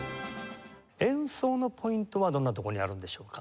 演奏のポイントはどんなところにあるんでしょうか？